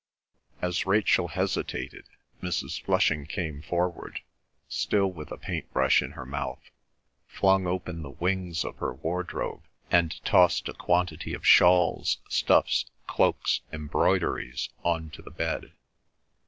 As Rachel hesitated, Mrs. Flushing came forward, still with a paint brush in her mouth, flung open the wings of her wardrobe, and tossed a quantity of shawls, stuffs, cloaks, embroideries, on to the bed.